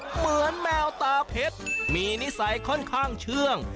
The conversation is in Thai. เหมือนแมวตาเพชรมีนิสัยค่อนข้างเชื่อง